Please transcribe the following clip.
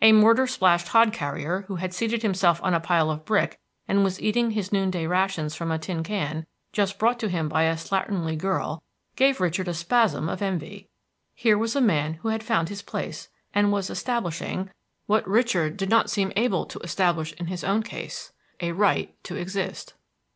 A mortar splashed hod carrier, who had seated himself on a pile of brick and was eating his noonday rations from a tin can just brought to him by a slatternly girl, gave Richard a spasm of envy. Here was a man who had found his place, and was establishing what Richard did not seem able to establish in his own case a right to exist.